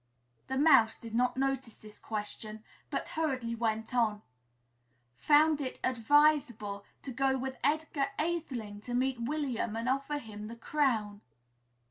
The Mouse did not notice this question, but hurriedly went on, "' found it advisable to go with Edgar Atheling to meet William and offer him the crown.'